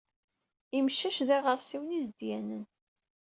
Imcac d iɣersiwen izedyanen.